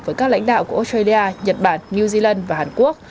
với các lãnh đạo của australia nhật bản new zealand và hàn quốc